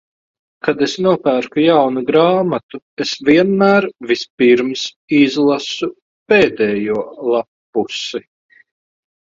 Kad es nopērku jaunu grāmatu, es vienmēr vispirms izlasu pēdējo lappusi.